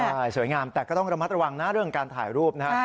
ใช่สวยงามแต่ก็ต้องระมัดระวังนะเรื่องการถ่ายรูปนะครับ